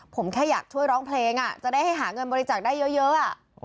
ผมแค่อยากช่วยร้องเพลงจะได้ให้หาเงินบริจาคได้เยอะ